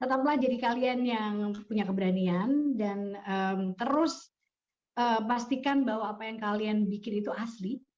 tetaplah jadi kalian yang punya keberanian dan terus pastikan bahwa apa yang kalian bikin itu asli